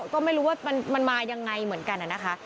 ก็ไม่รู้ว่ามันมายังไงเหมือนกันนะคะ